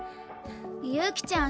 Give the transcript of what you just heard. ユキちゃん